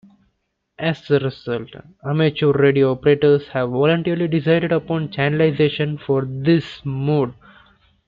As a result, amateur radio operators have voluntarily decided upon channelization for this mode.